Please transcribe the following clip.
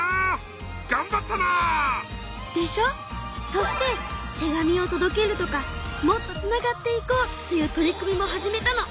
そして手紙をとどけるとかもっとつながっていこうっていう取り組みも始めたの。